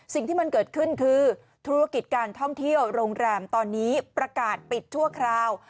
สิ่งที่มันเกิดขึ้นคือธุรกิจการท่องเที่ยวโรงแรมตอนนี้ประกาศปิดชั่วคราว